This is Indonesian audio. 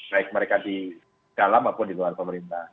baik mereka di dalam maupun di luar pemerintah